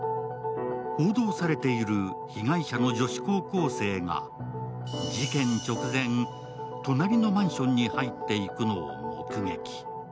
報道されている被害者の女子高校生が、事件直前、隣のマンションに入っていくのを目撃。